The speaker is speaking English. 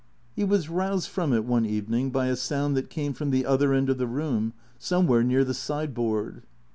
He was roused from it one evening by a sound that came from the other end of the room, somewhere near the sideboard.